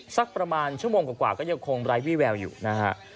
สักประมาณชั่วโมงกว่าก็ยังคงไร้วิแววอยู่นะฮะ